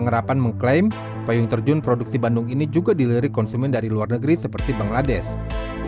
harapan mengklaim payung terjun produksi bandung ini juga dilirik konsumen dari luar negeri seperti bangladesh di